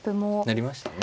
なりましたね。